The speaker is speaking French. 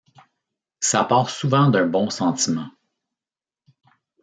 Ça part souvent d'un bon sentiment.